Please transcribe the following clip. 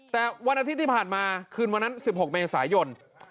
แต่วันอาทิตย์ที่ผ่านมาคืนวันนั้น๑๖เมษายน